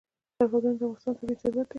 سرحدونه د افغانستان طبعي ثروت دی.